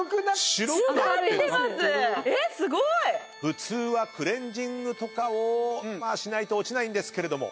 普通はクレンジングとかをしないと落ちないんですけれども。